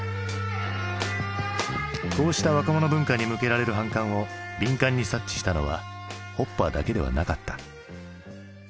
こうした若者文化に向けられる反感を敏感に察知したのはホッパーだけではなかった。